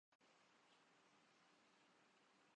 وہ خادم اعلی کے دور میں ہی ہوئے۔